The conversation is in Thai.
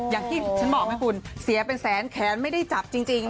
อย่างที่ฉันบอกไหมคุณเสียเป็นแสนแขนไม่ได้จับจริง